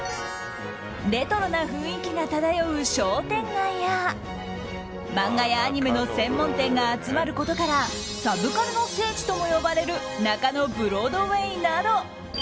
レトロな雰囲気が漂う商店街や漫画やアニメの専門店が集まることからサブカルの聖地とも呼ばれる中野ブロードウェイなど。